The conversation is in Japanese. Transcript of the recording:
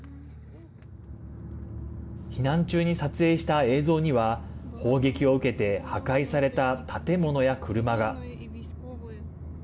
避難中に撮影した映像には砲撃を受けて破壊された建物や車が。